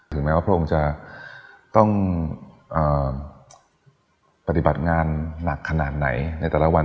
แม้ว่าพระองค์จะต้องปฏิบัติงานหนักขนาดไหนในแต่ละวัน